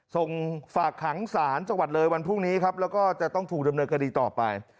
ส่งฝากขังศาลจังหวัดเลยวันพรุ่งนี้ครับแล้วก็จะต้องถูกดำเนินคดีต่อไป